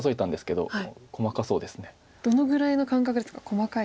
どのぐらいの感覚ですか細かい。